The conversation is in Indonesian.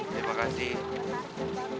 terima kasih pak